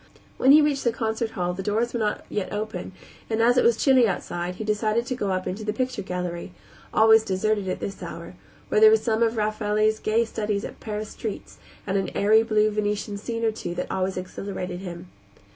When he reached the concert hall the doors were not yet open and, as it was chilly outside, he decided to go up into the picture gallery always deserted at this hour where there were some of Raffelli's gay studies of Paris streets and an airy blue Venetian scene or two that always exhilarated him.